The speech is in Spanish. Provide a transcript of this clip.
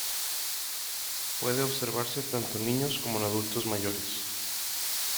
Puede observarse tanto en niños como en adultos mayores.